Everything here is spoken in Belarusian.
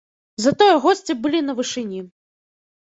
Затое госці былі на вышыні.